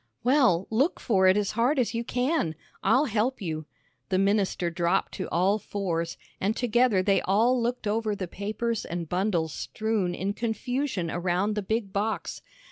"Well, look for it as hard as you can. I'll help you." The minister dropped to all fours, and together they all looked over the papers and bundles strewn in confusion around the big box.